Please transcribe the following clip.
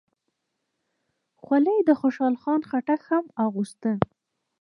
خولۍ د خوشحال خان خټک هم اغوسته.